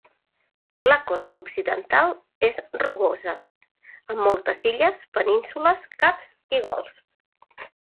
La costa occidental és rugosa, amb moltes illes, penínsules, caps i golfs.